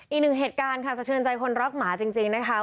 อีกหนึ่งเหตุการณ์ค่ะสะเทือนใจคนรักหมาจริงนะคะ